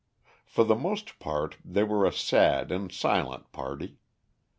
For the most part, they were a sad and silent party.